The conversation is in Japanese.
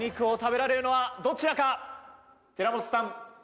寺本さん